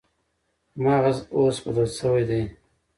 مغز اوس بدل شوی دی.